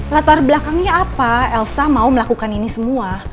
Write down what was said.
latar belakangnya apa elsa mau melakukan ini semua